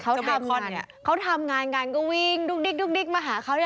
เขาเทคอนเขาทำงานกันก็วิ่งดุ๊กดิ๊กมาหาเขา